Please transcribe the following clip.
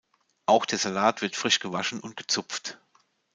Auch der Salat wird frisch gewaschen und gezupft.